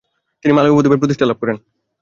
তিনি মালয় উপদ্বীপে প্রতিষ্ঠা লাভ করেন।